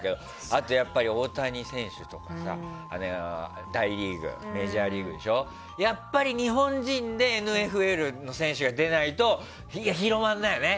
あと大谷選手とかメジャーリーグでしょやっぱり日本人のＮＦＬの選手が出ないと広まらないよね。